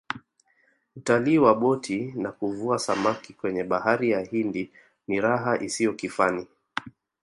utalii wa boti na kuvua samaki kwenye bahari ya hindi ni raha isiyo kifani